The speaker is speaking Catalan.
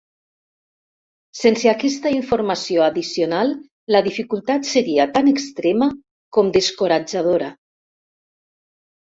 Sense aquesta informació addicional la dificultat seria tan extrema com descoratjadora.